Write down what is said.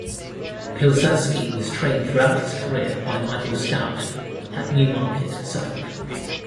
Pilsudski was trained throughout his career by Michael Stoute at Newmarket, Suffolk.